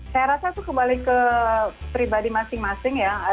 saya rasa itu kembali ke pribadi masing masing ya